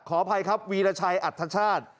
ขออภัยครับวีรชาติอัจทชาติ